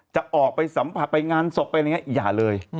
จะออกไปสัมผัสไปงานศพไปอย่าเลย